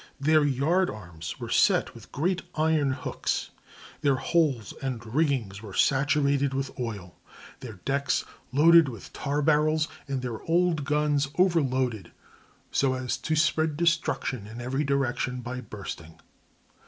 Their yard arms were set with great iron hooks, their hulls and riggings were saturated with oil, their decks loaded with tar barrels, and their old guns overloaded, so as to spread destruction in every direction by bursting.